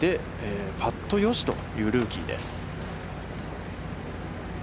パットよしというルーキーです。